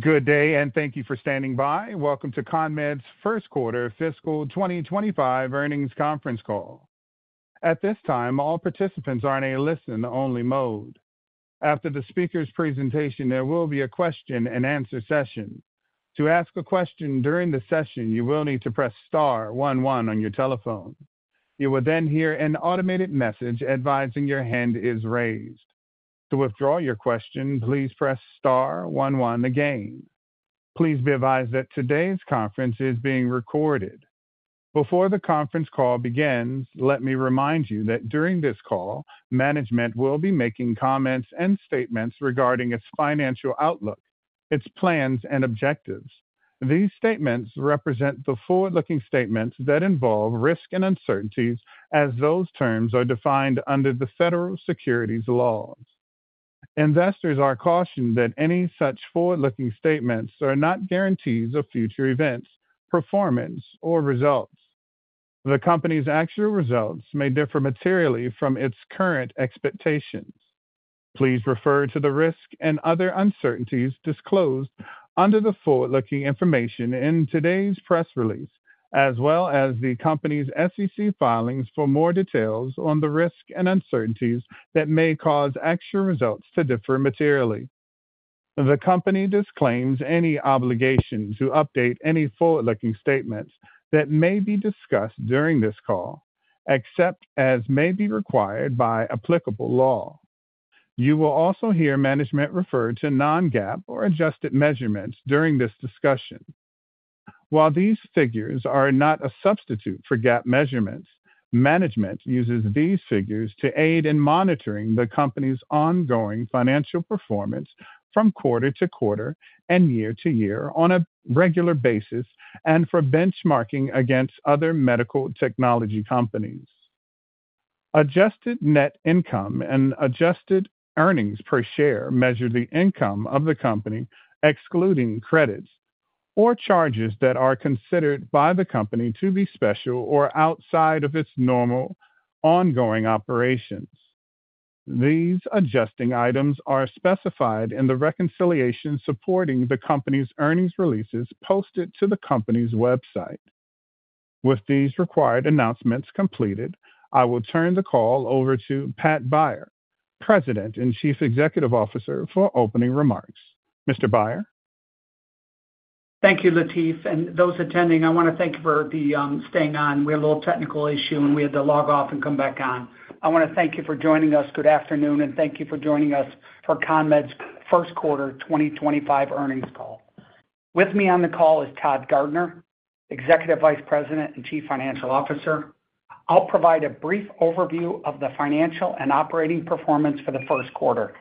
Good day, and thank you for standing by. Welcome to CONMED's First Quarter Fiscal 2025 Earnings Conference Call. At this time, all participants are in a listen-only mode. After the speaker's presentation, there will be a question-and-answer session. To ask a question during the session, you will need to press star one one on your telephone. You will then hear an automated message advising your hand is raised. To withdraw your question, please press star one one again. Please be advised that today's conference is being recorded. Before the conference call begins, let me remind you that during this call, management will be making comments and statements regarding its financial outlook, its plans, and objectives. These statements represent the forward-looking statements that involve risk and uncertainties, as those terms are defined under the federal securities laws. Investors are cautioned that any such forward-looking statements are not guarantees of future events, performance, or results. The company's actual results may differ materially from its current expectations. Please refer to the risk and other uncertainties disclosed under the forward-looking information in today's press release, as well as the company's SEC filings for more details on the risk and uncertainties that may cause actual results to differ materially. The company disclaims any obligation to update any forward-looking statements that may be discussed during this call, except as may be required by applicable law. You will also hear management refer to non-GAAP or adjusted measurements during this discussion. While these figures are not a substitute for GAAP measurements, management uses these figures to aid in monitoring the company's ongoing financial performance from quarter to quarter and year to year on a regular basis and for benchmarking against other medical technology companies. Adjusted net income and adjusted earnings per share measure the income of the company, excluding credits or charges that are considered by the company to be special or outside of its normal ongoing operations. These adjusting items are specified in the reconciliation supporting the company's earnings releases posted to the company's website. With these required announcements completed, I will turn the call over to Pat Beyer, President and Chief Executive Officer for opening remarks. Mr. Beyer? Thank you, Latif, and those attending, I want to thank you for staying on. We had a little technical issue, and we had to log off and come back on. I want to thank you for joining us. Good afternoon, and thank you for joining us for CONMED's First Quarter 2025 Earnings Call. With me on the call is Todd Garner, Executive Vice President and Chief Financial Officer. I'll provide a brief overview of the financial and operating performance for the first quarter.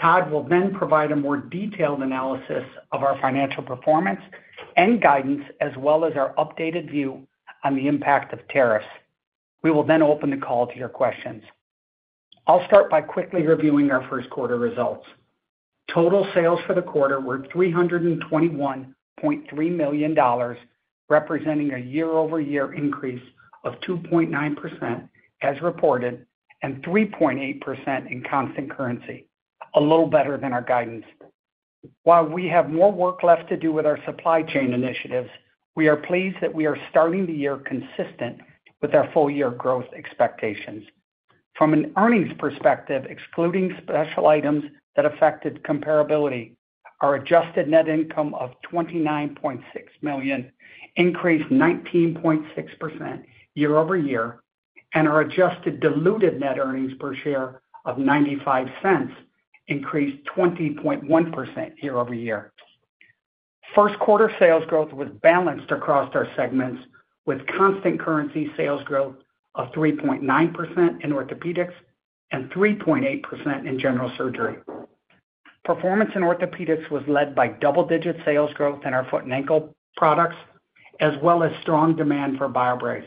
Todd will then provide a more detailed analysis of our financial performance and guidance, as well as our updated view on the impact of tariffs. We will then open the call to your questions. I'll start by quickly reviewing our first quarter results. Total sales for the quarter were $321.3 million, representing a year-over-year increase of 2.9% as reported and 3.8% in constant currency, a little better than our guidance. While we have more work left to do with our supply chain initiatives, we are pleased that we are starting the year consistent with our full-year growth expectations. From an earnings perspective, excluding special items that affected comparability, our adjusted net income of $29.6 million increased 19.6% year-over-year, and our adjusted diluted net earnings per share of $0.95 increased 20.1% year-over-year. First quarter sales growth was balanced across our segments, with constant currency sales growth of 3.9% in orthopedics and 3.8% in general surgery. Performance in orthopedics was led by double-digit sales growth in our Foot & Ankle products, as well as strong demand for BioBrace.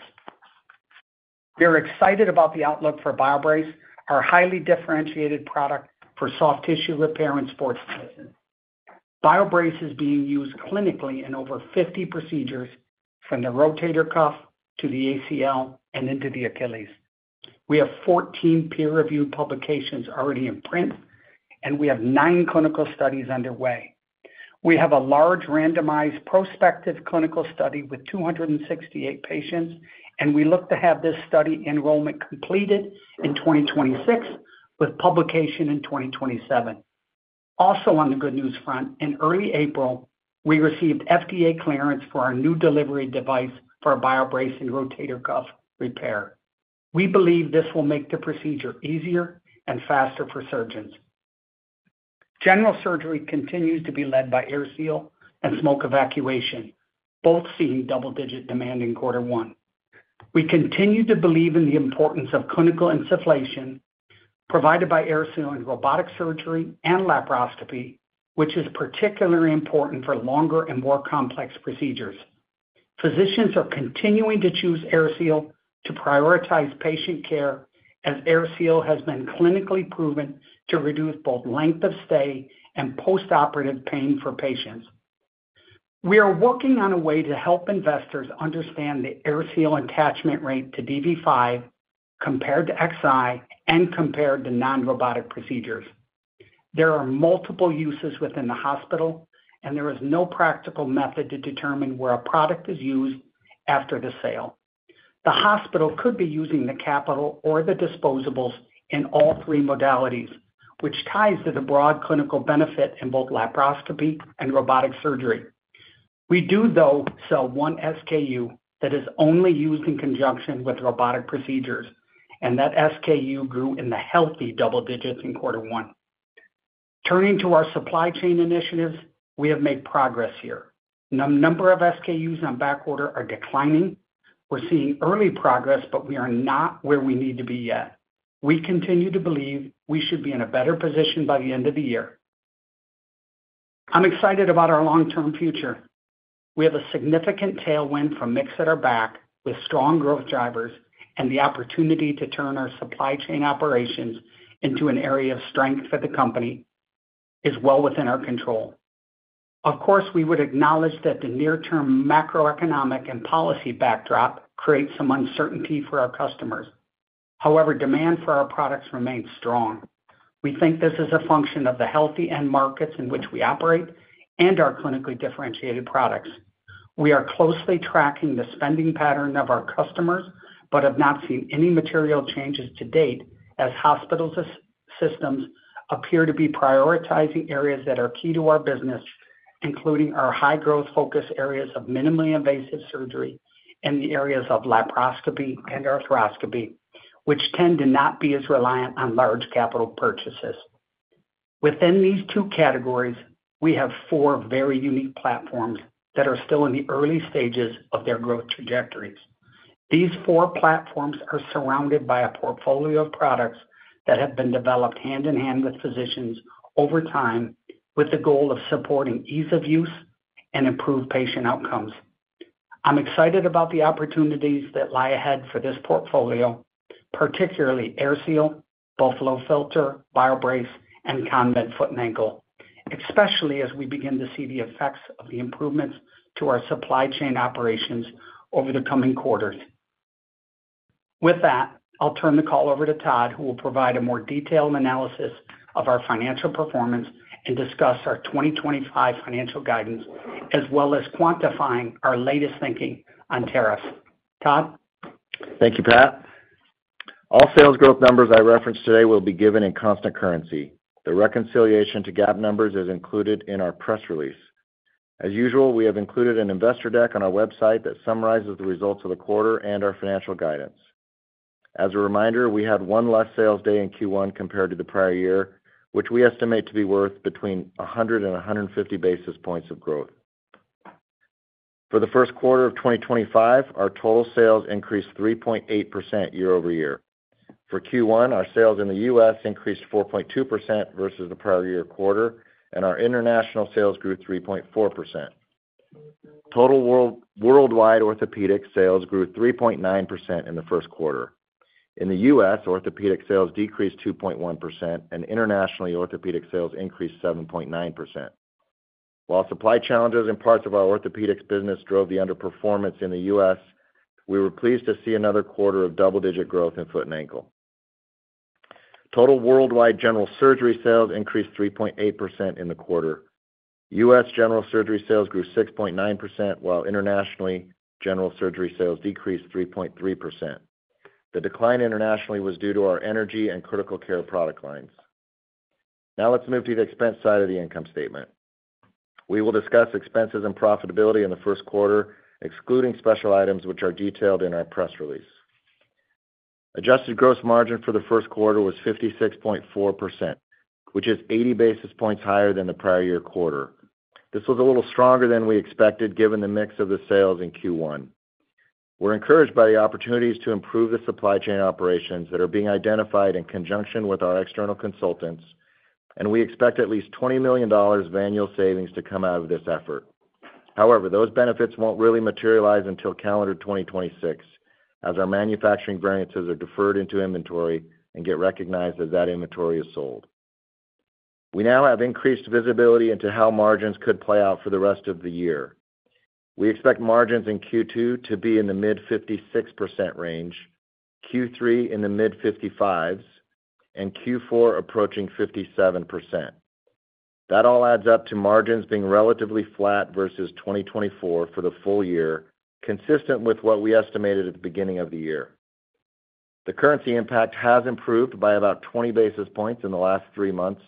We are excited about the outlook for BioBrace, our highly differentiated product for soft tissue repair and sports medicine. BioBrace is being used clinically in over 50 procedures, from the rotator cuff to the ACL and into the Achilles. We have 14 peer-reviewed publications already in print, and we have nine clinical studies underway. We have a large randomized prospective clinical study with 268 patients, and we look to have this study enrollment completed in 2026, with publication in 2027. Also, on the good news front, in early April, we received FDA clearance for our new delivery device for BioBrace and rotator cuff repair. We believe this will make the procedure easier and faster for surgeons. General surgery continues to be led by AirSeal and smoke evacuation, both seeing double-digit demand in quarter one. We continue to believe in the importance of clinical insufflation provided by AirSeal in robotic surgery and laparoscopy, which is particularly important for longer and more complex procedures. Physicians are continuing to choose AirSeal to prioritize patient care, as AirSeal has been clinically proven to reduce both length of stay and postoperative pain for patients. We are working on a way to help investors understand the AirSeal attachment rate to dV5 compared to Xi and compared to non-robotic procedures. There are multiple uses within the hospital, and there is no practical method to determine where a product is used after the sale. The hospital could be using the capital or the disposables in all three modalities, which ties to the broad clinical benefit in both laparoscopy and robotic surgery. We do, though, sell one SKU that is only used in conjunction with robotic procedures, and that SKU grew in the healthy double digits in quarter one. Turning to our supply chain initiatives, we have made progress here. The number of SKUs on backorder are declining. We're seeing early progress, but we are not where we need to be yet. We continue to believe we should be in a better position by the end of the year. I'm excited about our long-term future. We have a significant tailwind from mix at our back, with strong growth drivers, and the opportunity to turn our supply chain operations into an area of strength for the company is well within our control. Of course, we would acknowledge that the near-term macroeconomic and policy backdrop creates some uncertainty for our customers. However, demand for our products remains strong. We think this is a function of the healthy end markets in which we operate and our clinically differentiated products. We are closely tracking the spending pattern of our customers but have not seen any material changes to date, as hospital systems appear to be prioritizing areas that are key to our business, including our high-growth focus areas of minimally invasive surgery and the areas of laparoscopy and arthroscopy, which tend to not be as reliant on large capital purchases. Within these two categories, we have four very unique platforms that are still in the early stages of their growth trajectories. These four platforms are surrounded by a portfolio of products that have been developed hand in hand with physicians over time, with the goal of supporting ease of use and improved patient outcomes. I'm excited about the opportunities that lie ahead for this portfolio, particularly AirSeal, Buffalo Filter, BioBrace, and CONMED Foot and Ankle, especially as we begin to see the effects of the improvements to our supply chain operations over the coming quarters. With that, I'll turn the call over to Todd, who will provide a more detailed analysis of our financial performance and discuss our 2025 financial guidance, as well as quantifying our latest thinking on tariffs. Todd. Thank you, Pat. All sales growth numbers I referenced today will be given in constant currency. The reconciliation to GAAP numbers is included in our press release. As usual, we have included an investor deck on our website that summarizes the results of the quarter and our financial guidance. As a reminder, we had one less sales day in Q1 compared to the prior year, which we estimate to be worth between 100 and 150 basis points of growth. For the first quarter of 2025, our total sales increased 3.8% year-over-year. For Q1, our sales in the U.S. increased 4.2% versus the prior year quarter, and our international sales grew 3.4%. Total worldwide orthopedic sales grew 3.9% in the first quarter. In the U.S., orthopedic sales decreased 2.1%, and internationally orthopedic sales increased 7.9%. While supply challenges in parts of our orthopedics business drove the underperformance in the U.S., we were pleased to see another quarter of double-digit growth in foot and ankle. Total worldwide general surgery sales increased 3.8% in the quarter. U.S. general surgery sales grew 6.9%, while internationally general surgery sales decreased 3.3%. The decline internationally was due to our energy and critical care product lines. Now let's move to the expense side of the income statement. We will discuss expenses and profitability in the first quarter, excluding special items, which are detailed in our press release. Adjusted gross margin for the first quarter was 56.4%, which is 80 basis points higher than the prior year quarter. This was a little stronger than we expected, given the mix of the sales in Q1. We're encouraged by the opportunities to improve the supply chain operations that are being identified in conjunction with our external consultants, and we expect at least $20 million of annual savings to come out of this effort. However, those benefits won't really materialize until calendar 2026, as our manufacturing variances are deferred into inventory and get recognized as that inventory is sold. We now have increased visibility into how margins could play out for the rest of the year. We expect margins in Q2 to be in the mid-56% range, Q3 in the mid-55% range, and Q4 approaching 57%. That all adds up to margins being relatively flat versus 2024 for the full year, consistent with what we estimated at the beginning of the year. The currency impact has improved by about 20 basis points in the last three months,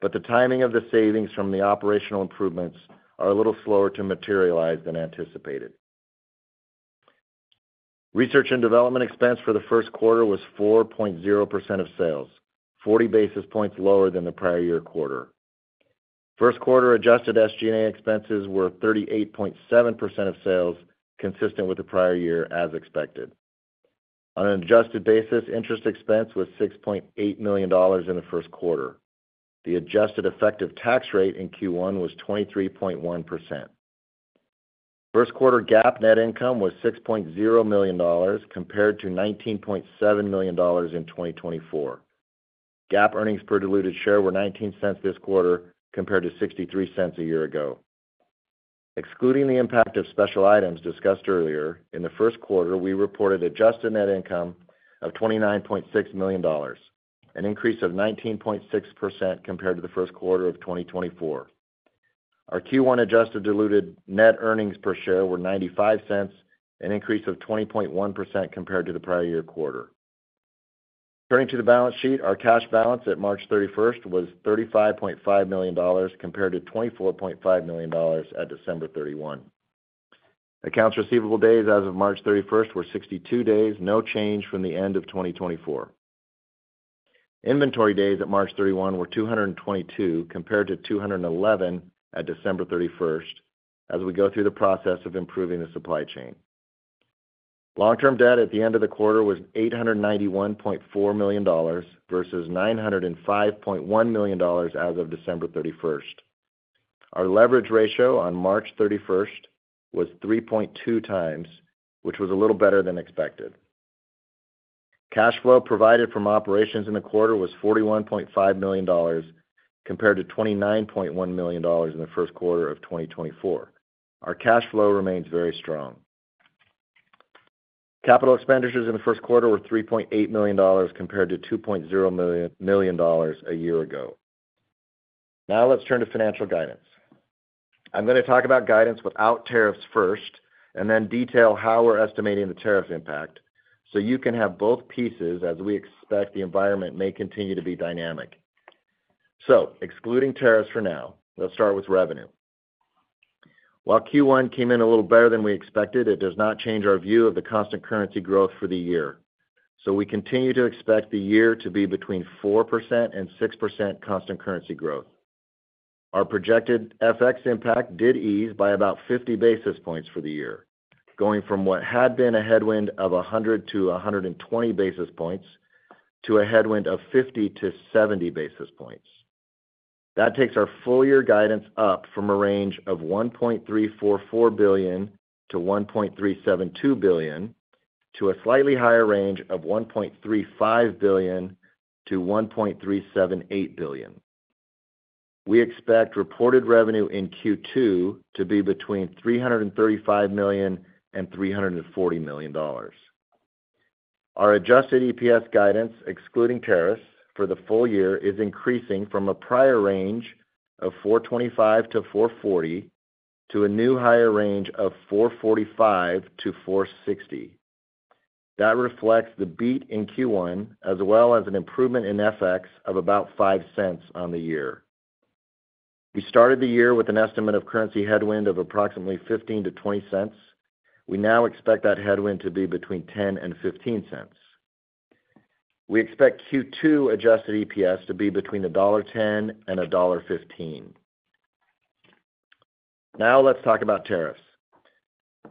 but the timing of the savings from the operational improvements is a little slower to materialize than anticipated. Research and development expense for the first quarter was 4.0% of sales, 40 basis points lower than the prior year quarter. First quarter adjusted SG&A expenses were 38.7% of sales, consistent with the prior year, as expected. On an adjusted basis, interest expense was $6.8 million in the first quarter. The adjusted effective tax rate in Q1 was 23.1%. First quarter GAAP net income was $6.0 million compared to $19.7 million in 2024. GAAP earnings per diluted share were $0.19 this quarter compared to $0.63 a year ago. Excluding the impact of special items discussed earlier, in the first quarter, we reported adjusted net income of $29.6 million, an increase of 19.6% compared to the first quarter of 2024. Our Q1 adjusted diluted net earnings per share were $0.95, an increase of 20.1% compared to the prior year quarter. Turning to the balance sheet, our cash balance at March 31 was $35.5 million compared to $24.5 million at December 31. Accounts receivable days as of March 31 were 62 days, no change from the end of 2024. Inventory days at March 31 were 222 compared to 211 at December 31, as we go through the process of improving the supply chain. Long-term debt at the end of the quarter was $891.4 million versus $905.1 million as of December 31. Our leverage ratio on March 31 was 3.2 times, which was a little better than expected. Cash flow provided from operations in the quarter was $41.5 million compared to $29.1 million in the first quarter of 2024. Our cash flow remains very strong. Capital expenditures in the first quarter were $3.8 million compared to $2.0 million a year ago. Now let's turn to financial guidance. I'm going to talk about guidance without tariffs first and then detail how we're estimating the tariff impact so you can have both pieces as we expect the environment may continue to be dynamic. Excluding tariffs for now, let's start with revenue. While Q1 came in a little better than we expected, it does not change our view of the constant currency growth for the year. We continue to expect the year to be between 4% and 6% constant currency growth. Our projected FX impact did ease by about 50 basis points for the year, going from what had been a headwind of 100-120 basis points to a headwind of 50-70 basis points. That takes our full year guidance up from a range of $1.344 billion-$1.372 billion to a slightly higher range of $1.35 billion-$1.378 billion. We expect reported revenue in Q2 to be between $335 million and $340 million. Our adjusted EPS guidance, excluding tariffs for the full year, is increasing from a prior range of $4.25-$4.40 to a new higher range of $4.45-$4.60. That reflects the beat in Q1, as well as an improvement in FX of about $0.05 on the year. We started the year with an estimate of currency headwind of approximately $0.15-$0.20. We now expect that headwind to be between $0.10 and $0.15. We expect Q2 adjusted EPS to be between $1.10 and $1.15. Now let's talk about tariffs.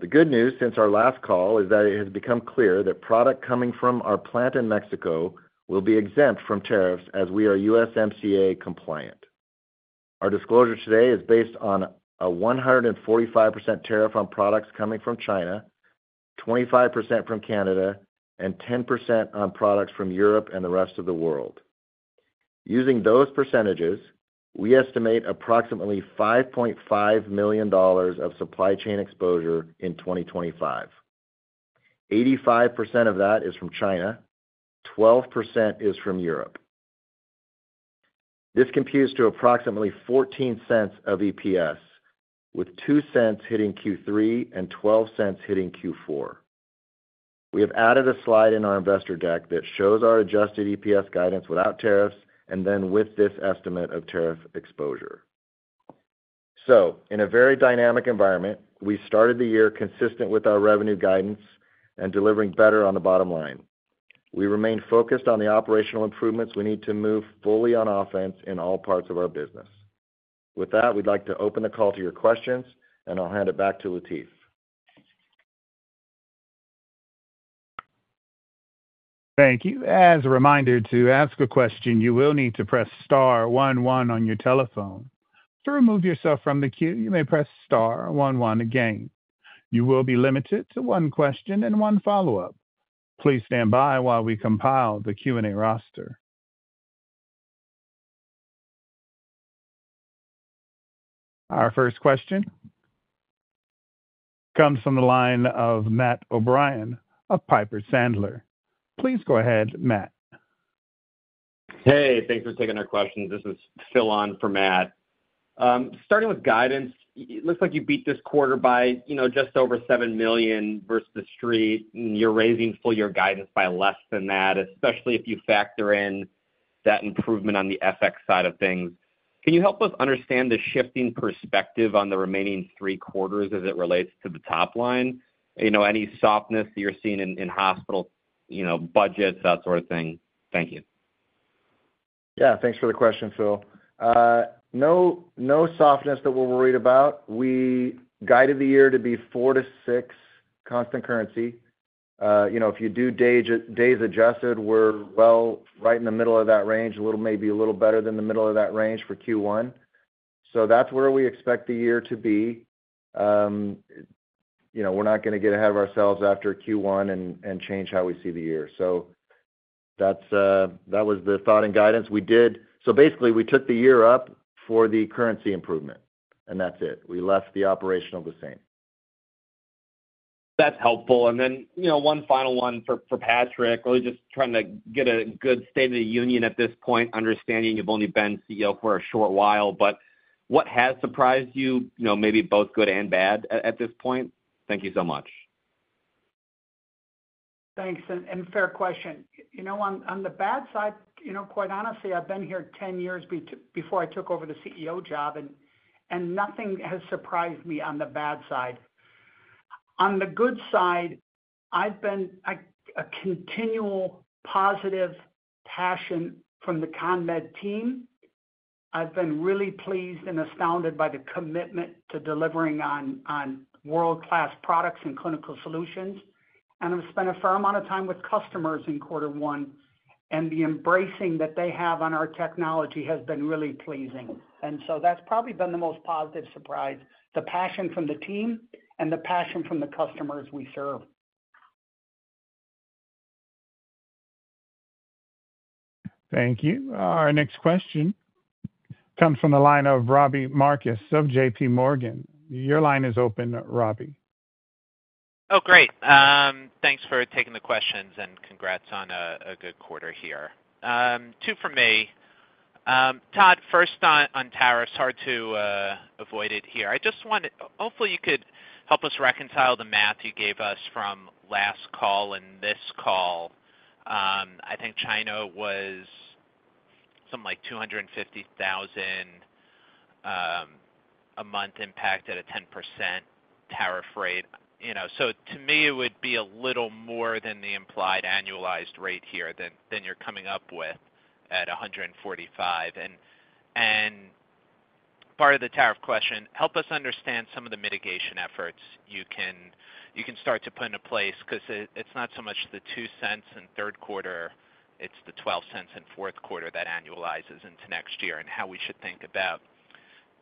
The good news since our last call is that it has become clear that product coming from our plant in Mexico will be exempt from tariffs as we are USMCA compliant. Our disclosure today is based on a 145% tariff on products coming from China, 25% from Canada, and 10% on products from Europe and the rest of the world. Using those percentages, we estimate approximately $5.5 million of supply chain exposure in 2025. 85% of that is from China, 12% is from Europe. This computes to approximately $0.14 of EPS, with $0.02 hitting Q3 and $0.12 hitting Q4. We have added a slide in our investor deck that shows our adjusted EPS guidance without tariffs and then with this estimate of tariff exposure. In a very dynamic environment, we started the year consistent with our revenue guidance and delivering better on the bottom line. We remain focused on the operational improvements we need to move fully on offense in all parts of our business. With that, we'd like to open the call to your questions, and I'll hand it back to Latif. Thank you. As a reminder to ask a question, you will need to press star one one on your telephone. To remove yourself from the queue, you may press star one one again. You will be limited to one question and one follow-up. Please stand by while we compile the Q&A roster. Our first question comes from the line of Matt O'Brien of Piper Sandler. Please go ahead, Matt. Hey, thanks for taking our questions. This is Phil Wan for Matt. Starting with guidance, it looks like you beat this quarter by just over $7 million versus the street, and you're raising full year guidance by less than that, especially if you factor in that improvement on the FX side of things. Can you help us understand the shifting perspective on the remaining three quarters as it relates to the top line? Any softness that you're seeing in hospital budgets, that sort of thing? Thank you. Yeah, thanks for the question, Phil. No softness that we're worried about. We guided the year to be 4-6% constant currency. If you do days adjusted, we're well right in the middle of that range, maybe a little better than the middle of that range for Q1. That is where we expect the year to be. We're not going to get ahead of ourselves after Q1 and change how we see the year. That was the thought and guidance. Basically, we took the year up for the currency improvement, and that's it. We left the operational the same. That's helpful. One final one for Patrick, really just trying to get a good state of the union at this point, understanding you've only been CEO for a short while, but what has surprised you, maybe both good and bad at this point? Thank you so much. Thanks. Fair question. You know, on the bad side, quite honestly, I've been here 10 years before I took over the CEO job, and nothing has surprised me on the bad side. On the good side, I've been a continual positive passion from the CONMED team. I've been really pleased and astounded by the commitment to delivering on world-class products and clinical solutions. I've spent a fair amount of time with customers in quarter one, and the embracing that they have on our technology has been really pleasing. That's probably been the most positive surprise, the passion from the team and the passion from the customers we serve. Thank you. Our next question comes from the line of Robbie Marcus of JPMorgan. Your line is open, Robbie. Oh, great. Thanks for taking the questions and congrats on a good quarter here. Two from me. Todd, first on tariffs, hard to avoid it here. I just wanted—hopefully, you could help us reconcile the math you gave us from last call and this call. I think China was something like $250,000 a month impacted at a 10% tariff rate. To me, it would be a little more than the implied annualized rate here than you're coming up with at $145. Part of the tariff question, help us understand some of the mitigation efforts you can start to put into place because it's not so much the $0.02 in third quarter, it's the $0.12 in fourth quarter that annualizes into next year and how we should think about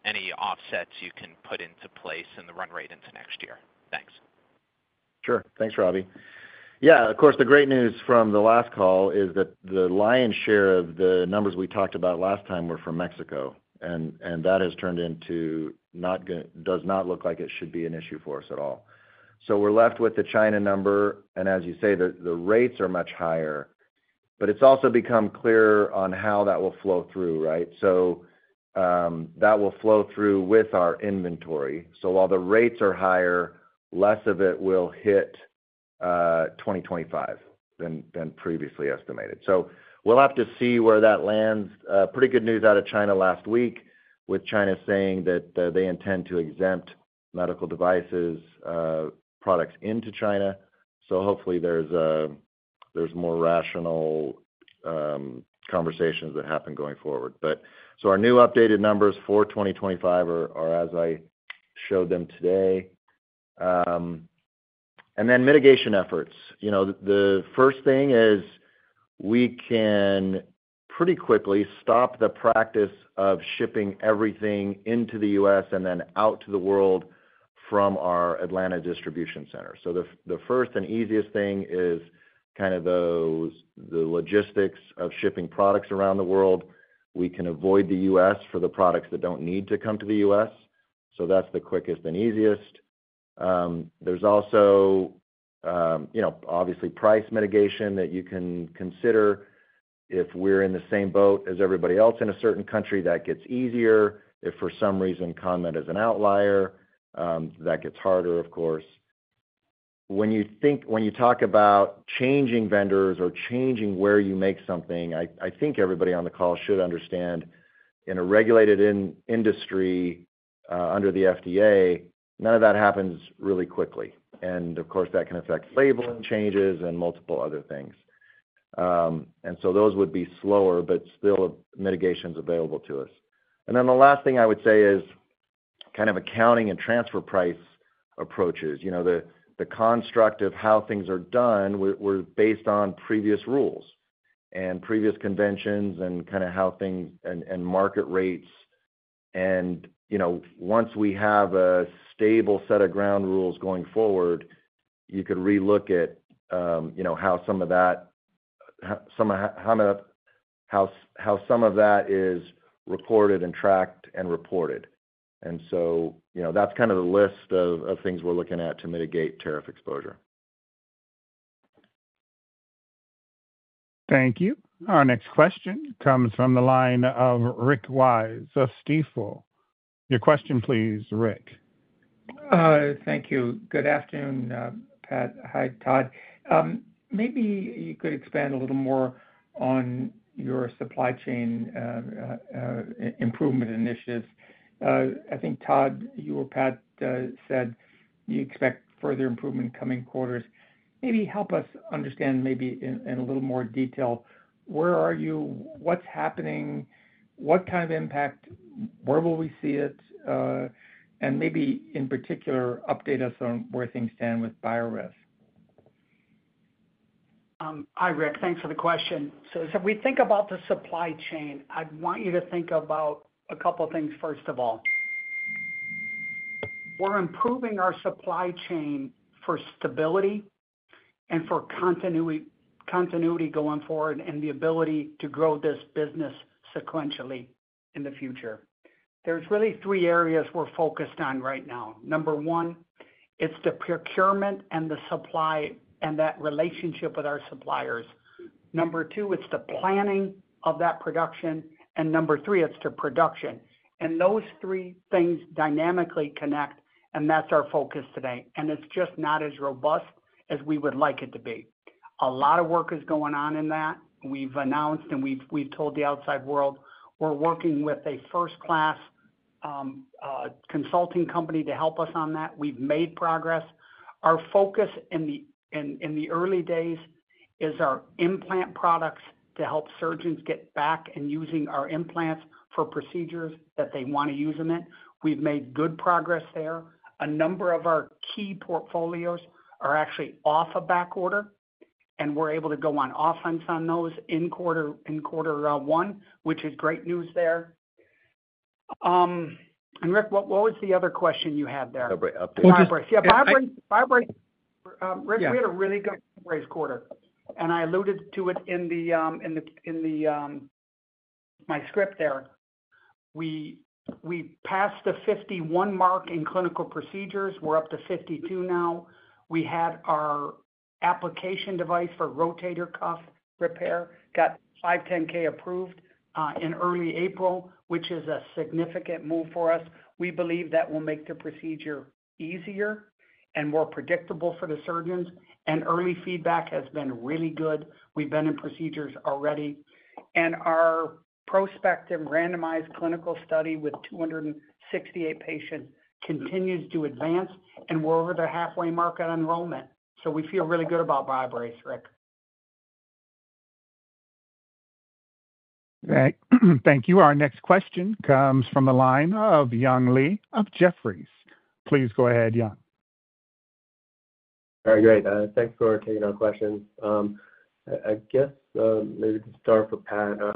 any offsets you can put into place in the run rate into next year. Thanks. Sure. Thanks, Robbie. Yeah, of course, the great news from the last call is that the lion's share of the numbers we talked about last time were from Mexico, and that has turned into—it does not look like it should be an issue for us at all. We are left with the China number, and as you say, the rates are much higher, but it is also become clearer on how that will flow through, right? That will flow through with our inventory. While the rates are higher, less of it will hit 2025 than previously estimated. We will have to see where that lands. Pretty good news out of China last week with China saying that they intend to exempt medical devices products into China. Hopefully, there are more rational conversations that happen going forward. Our new updated numbers for 2025 are, as I showed them today. The first thing is we can pretty quickly stop the practice of shipping everything into the U.S. and then out to the world from our Atlanta distribution center. The first and easiest thing is kind of the logistics of shipping products around the world. We can avoid the U.S. for the products that do not need to come to the U.S. That is the quickest and easiest. There is also, obviously, price mitigation that you can consider. If we are in the same boat as everybody else in a certain country, that gets easier. If for some reason CONMED is an outlier, that gets harder, of course. When you talk about changing vendors or changing where you make something, I think everybody on the call should understand in a regulated industry under the FDA, none of that happens really quickly. Of course, that can affect labeling changes and multiple other things. Those would be slower, but still mitigations available to us. The last thing I would say is kind of accounting and transfer price approaches. The construct of how things are done was based on previous rules and previous conventions and kind of how things and market rates. Once we have a stable set of ground rules going forward, you could relook at how some of that—how some of that is recorded and tracked and reported. That is kind of the list of things we are looking at to mitigate tariff exposure. Thank you. Our next question comes from the line of Rick Wise of Stifel. Your question, please, Rick. Thank you. Good afternoon, Pat. Hi, Todd. Maybe you could expand a little more on your supply chain improvement initiatives. I think, Todd, you or Pat said you expect further improvement coming quarters. Maybe help us understand maybe in a little more detail, where are you? What's happening? What kind of impact? Where will we see it? Maybe in particular, update us on where things stand with BioBrace. Hi, Rick. Thanks for the question. As we think about the supply chain, I want you to think about a couple of things, first of all. We're improving our supply chain for stability and for continuity going forward and the ability to grow this business sequentially in the future. There are really three areas we're focused on right now. Number one, it's the procurement and the supply and that relationship with our suppliers. Number two, it's the planning of that production. Number three, it's the production. Those three things dynamically connect, and that's our focus today. It's just not as robust as we would like it to be. A lot of work is going on in that. We've announced and we've told the outside world we're working with a first-class consulting company to help us on that. We've made progress. Our focus in the early days is our implant products to help surgeons get back and using our implants for procedures that they want to use them in. We've made good progress there. A number of our key portfolios are actually off a back order, and we're able to go on offense on those in quarter one, which is great news there. Rick, what was the other question you had there? BioBrace update. BioBrace. Yeah, BioBrace. We had a really good BioBrace quarter. I alluded to it in my script there. We passed the 51 mark in clinical procedures. We're up to 52 now. We had our application device for rotator cuff repair, got 510(k) approved in early April, which is a significant move for us. We believe that will make the procedure easier and more predictable for the surgeons. Early feedback has been really good. We've been in procedures already. Our prospective randomized clinical study with 268 patients continues to advance, and we're over the halfway mark on enrollment. We feel really good about BioBrace, Rick. Thank you. Our next question comes from the line of Young Li of Jefferies. Please go ahead, Young. Very great. Thanks for taking our questions. I guess maybe to start for Pat, I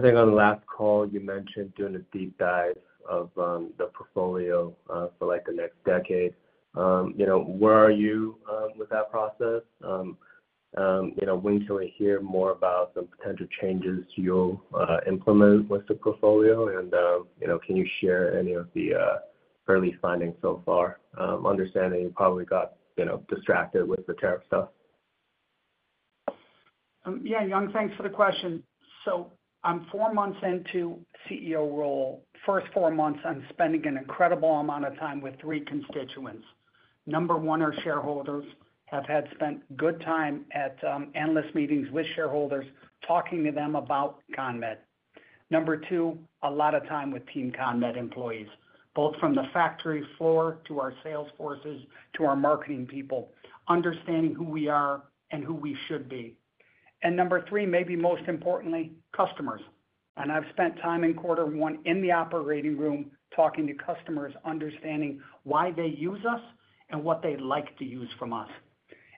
think on the last call, you mentioned doing a deep dive of the portfolio for the next decade. Where are you with that process? When can we hear more about some potential changes you'll implement with the portfolio? Can you share any of the early findings so far? Understanding you probably got distracted with the tariff stuff. Yeah, Young, thanks for the question. I'm four months into CEO role. First four months, I'm spending an incredible amount of time with three constituents. Number one, our shareholders have had spent good time at endless meetings with shareholders, talking to them about CONMED. Number two, a lot of time with Team CONMED employees, both from the factory floor to our sales forces to our marketing people, understanding who we are and who we should be. Number three, maybe most importantly, customers. I've spent time in quarter one in the operating room talking to customers, understanding why they use us and what they'd like to use from us.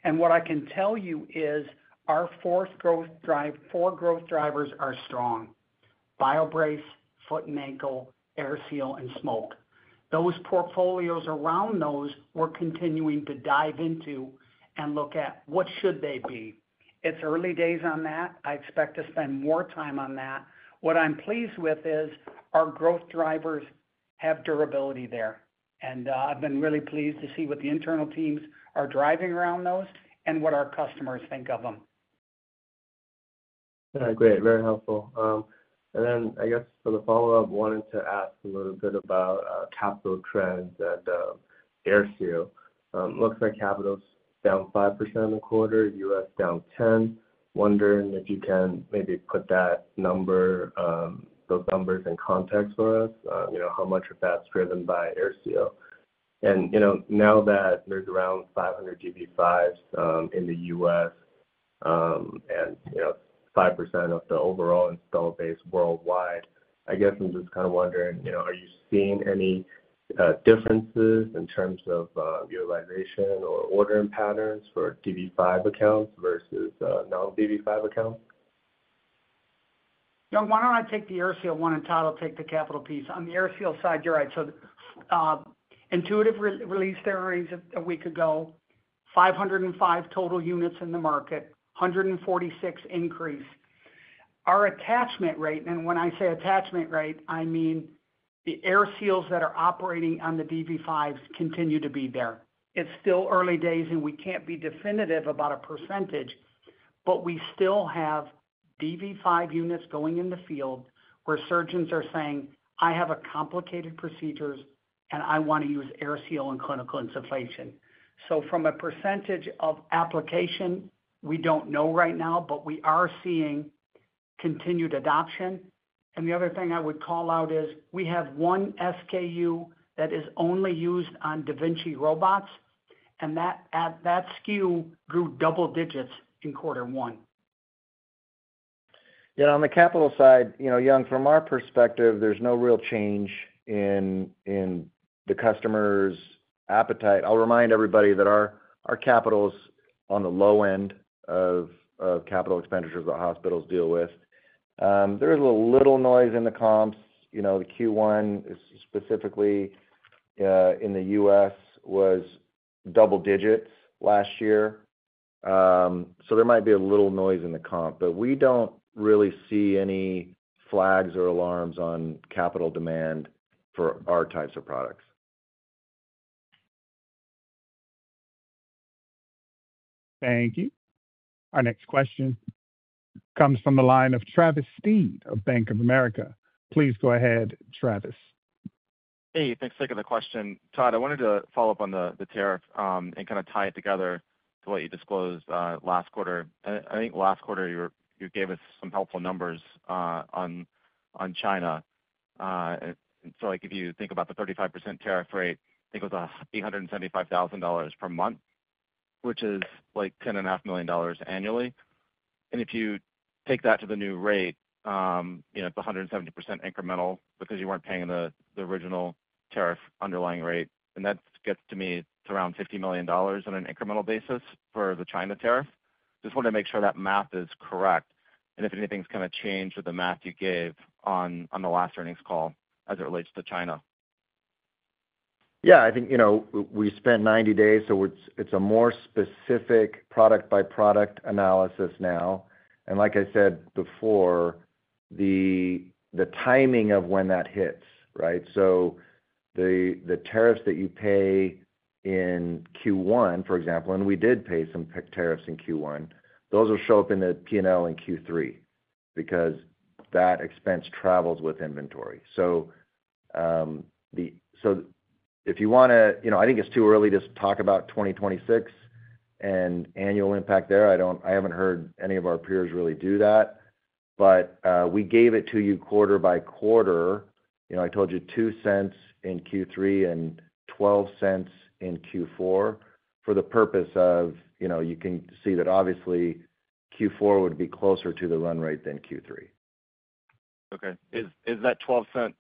What I can tell you is our fourth growth drivers are strong: BioBrace, Foot and Ankle, AirSeal, and Smoke. Those portfolios around those we're continuing to dive into and look at what should they be. It's early days on that. I expect to spend more time on that. What I'm pleased with is our growth drivers have durability there. I've been really pleased to see what the internal teams are driving around those and what our customers think of them. Great. Very helpful. For the follow-up, wanted to ask a little bit about capital trends at AirSeal. It looks like capital's down 5% in the quarter, U.S. down 10%. Wondering if you can maybe put those numbers in context for us, how much of that's driven by AirSeal. Now that there's around 500 dV5s in the U.S. and 5% of the overall install base worldwide, I guess I'm just kind of wondering, are you seeing any differences in terms of utilization or ordering patterns for dV5 accounts versus non-dV5 accounts? Young, why don't I take the AirSeal one and Todd will take the capital piece? On the AirSeal side, you're right. Intuitive released their numbers a week ago, 505 total units in the market, 146 increase. Our attachment rate, and when I say attachment rate, I mean the AirSeals that are operating on the dV5s continue to be there. It's still early days, and we can't be definitive about a percentage, but we still have dV5 units going in the field where surgeons are saying, "I have complicated procedures, and I want to use AirSeal in clinical insufflation." From a percentage of application, we don't know right now, but we are seeing continued adoption. The other thing I would call out is we have one SKU that is only used on da Vinci robots, and that SKU grew double digits in quarter one. Yeah. On the capital side, Young, from our perspective, there's no real change in the customer's appetite. I'll remind everybody that our capital is on the low end of capital expenditures that hospitals deal with. There is a little noise in the comps. The Q1 specifically in the U.S. was double digits last year. There might be a little noise in the comp, but we don't really see any flags or alarms on capital demand for our types of products. Thank you. Our next question comes from the line of Travis Steed of Bank of America. Please go ahead, Travis. Hey, thanks for taking the question. Todd, I wanted to follow up on the tariff and kind of tie it together to what you disclosed last quarter. I think last quarter, you gave us some helpful numbers on China. If you think about the 35% tariff rate, I think it was $875,000 per month, which is like $10.5 million annually. If you take that to the new rate, it's 170% incremental because you were not paying the original tariff underlying rate. That gets me to around $50 million on an incremental basis for the China tariff. Just wanted to make sure that math is correct. If anything's kind of changed with the math you gave on the last earnings call as it relates to China. Yeah. I think we spent 90 days, so it's a more specific product-by-product analysis now. Like I said before, the timing of when that hits, right? The tariffs that you pay in Q1, for example, and we did pay some tariffs in Q1, those will show up in the P&L in Q3 because that expense travels with inventory. If you want to, I think it's too early to talk about 2026 and annual impact there. I haven't heard any of our peers really do that. We gave it to you quarter by quarter. I told you $0.2 in Q3 and $0.12 in Q4 for the purpose of you can see that obviously Q4 would be closer to the run rate than Q3. Okay. Is that $0.12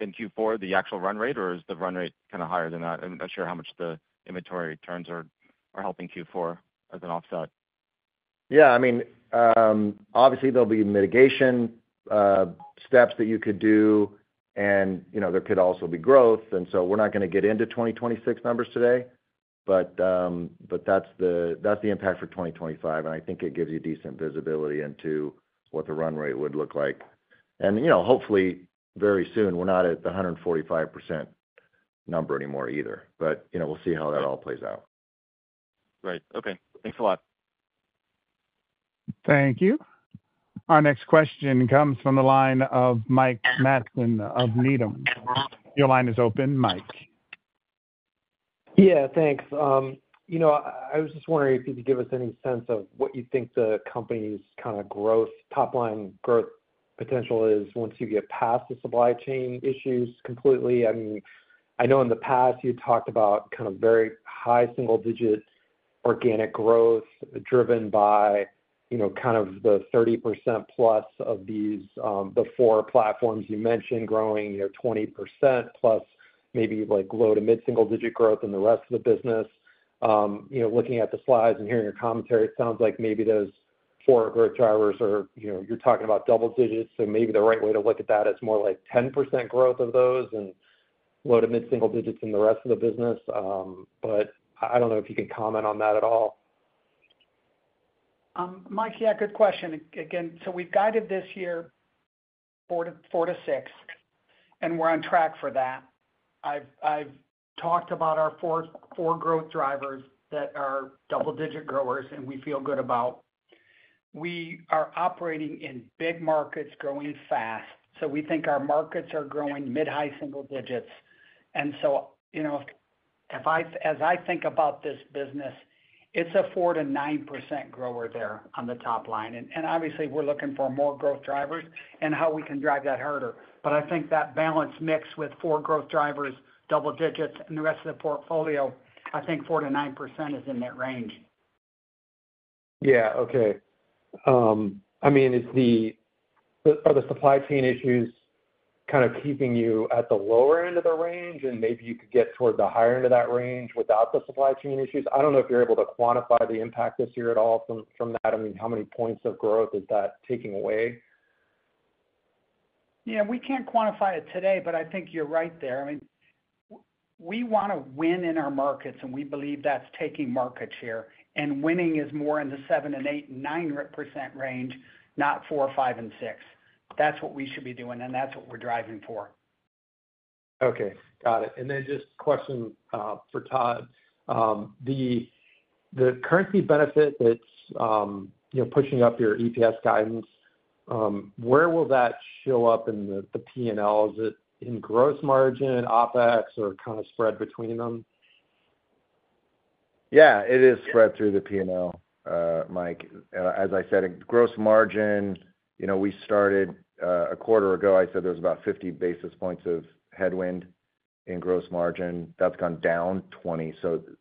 in Q4 the actual run rate, or is the run rate kind of higher than that? I'm not sure how much the inventory turns are helping Q4 as an offset. Yeah. I mean, obviously, there'll be mitigation steps that you could do, and there could also be growth. We're not going to get into 2026 numbers today, but that's the impact for 2025. I think it gives you decent visibility into what the run rate would look like. Hopefully, very soon, we're not at the 145% number anymore either. We'll see how that all plays out. Great. Okay. Thanks a lot. Thank you. Our next question comes from the line of Mike Matson of Needham. Your line is open, Mike. Yeah, thanks. I was just wondering if you could give us any sense of what you think the company's kind of top-line growth potential is once you get past the supply chain issues completely. I mean, I know in the past you talked about kind of very high single-digit organic growth driven by kind of the 30% plus of these four platforms you mentioned growing 20% plus maybe low to mid-single-digit growth in the rest of the business. Looking at the slides and hearing your commentary, it sounds like maybe those four growth drivers are you're talking about double digits. Maybe the right way to look at that is more like 10% growth of those and low to mid-single digits in the rest of the business. I don't know if you can comment on that at all. Mike, yeah, good question. Again, we've guided this year 4-6, and we're on track for that. I've talked about our four growth drivers that are double-digit growers, and we feel good about. We are operating in big markets growing fast. We think our markets are growing mid-high single digits. As I think about this business, it's a 4-9% grower there on the top line. Obviously, we're looking for more growth drivers and how we can drive that harder. I think that balance mix with four growth drivers, double digits, and the rest of the portfolio, I think 4-9% is in that range. Yeah. Okay. I mean, are the supply chain issues kind of keeping you at the lower end of the range, and maybe you could get toward the higher end of that range without the supply chain issues? I do not know if you're able to quantify the impact this year at all from that. I mean, how many points of growth is that taking away? Yeah. We can't quantify it today, but I think you're right there. I mean, we want to win in our markets, and we believe that's taking markets here. Winning is more in the 7-8-9% range, not 4-5-6%. That's what we should be doing, and that's what we're driving for. Okay. Got it. Just a question for Todd. The currency benefit that's pushing up your EPS guidance, where will that show up in the P&L? Is it in gross margin, OPEX, or kind of spread between them? Yeah. It is spread through the P&L, Mike. As I said, gross margin, we started a quarter ago. I said there was about 50 basis points of headwind in gross margin. That's gone down 20.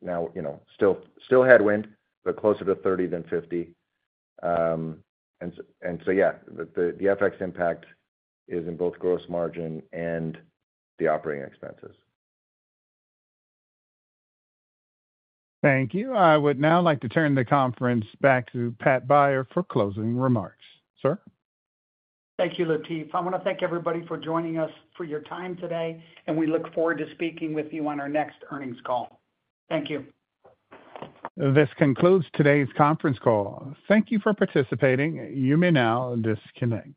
Yeah, still headwind, but closer to 30 than 50. The FX impact is in both gross margin and the operating expenses. Thank you. I would now like to turn the conference back to Pat Beyer for closing remarks. Sir? Thank you, Latif. I want to thank everybody for joining us for your time today, and we look forward to speaking with you on our next earnings call. Thank you. This concludes today's conference call. Thank you for participating. You may now disconnect.